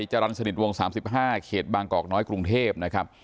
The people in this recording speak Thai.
จรรย์สนิทวงศ์สามสิบห้าเขตบางกอกน้อยกรุงเทพนะครับ